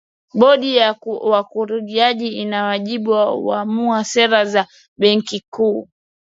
bodi ya wakurugenzi ina wajibu wa kuamua sera za benki kuu